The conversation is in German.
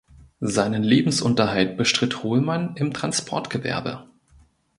Seinen Lebensunterhalt bestritt Holman im Transportgewerbe.